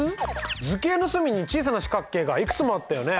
図形の隅に小さな四角形がいくつもあったよね？